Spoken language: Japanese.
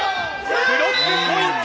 ブロックポイント！